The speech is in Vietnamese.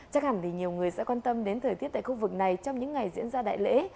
chắc hẳn thì nhiều người sẽ quan tâm đến thời tiết tại khu vực này trong những ngày diễn ra đại lễ